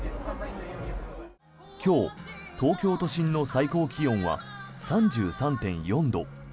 今日、東京都心の最高気温は３３．４度。